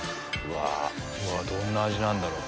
どんな味なんだろう？